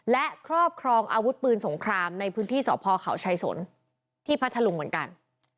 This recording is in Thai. และครอบครองอาวุธปืนสงครามในพื้นที่สพเขาชายสนที่พัทธลุงเหมือนกัน